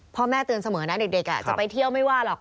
พ่อแม่เตือนเสมอนะเด็กจะไปเที่ยวไม่ว่าหรอก